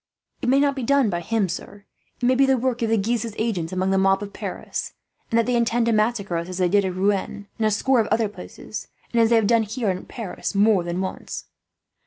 "It may not be done by him, sir. It may be the work of the Guises' agents among the mob of Paris; and that they intend to massacre us, as they did at Rouen and a score of other places, and as they have done here in Paris more than once."